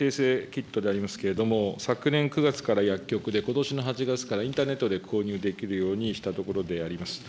キットでございますけれども、昨年９月から薬局で、ことしの８月からインターネットで購入できるようにしたところであります。